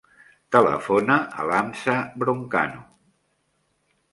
Telefona a l'Hamza Broncano.